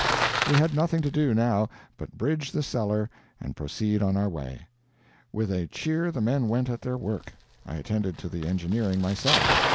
We had nothing to do, now, but bridge the cellar and proceed on our way. With a cheer the men went at their work. I attended to the engineering, myself.